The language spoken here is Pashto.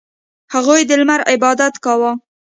• هغوی د لمر عبادت کاوه.